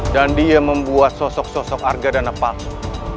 dan dia membuat sosok sosok arkadana palsu